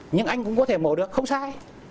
nhưng anh cũng có thể mổ được không sai